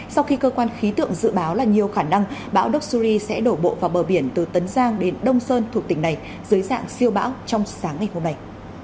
sau khi cơ quan khí tượng dự báo là nhiều khả năng bão doxury sẽ đổ bộ vào bờ biển từ tấn giang đến đông sơn thuộc tỉnh này dưới dạng siêu bão trong sáng ngày hôm nay